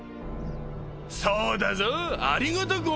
そうだぞありがたく思え